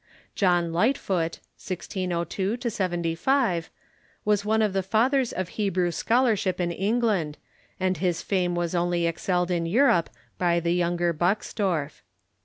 John Lightfoot (1602 75) was one of the fathers of Hebrew scholarship in England, and his fame was only excelled in Europe b}" the younger Buxtorf.